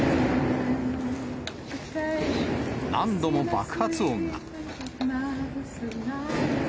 何度も爆発音が。